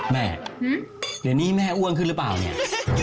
แม่เหรอนี้แม่อ้วนขึ้นหรือเปล่าหื้อ